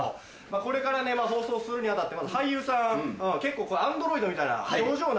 これからね放送するに当たってまず俳優さん結構アンドロイドみたいな。